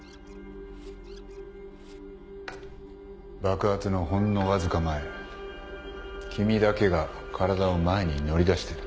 爆発のほんのわずか前君だけが体を前に乗り出している。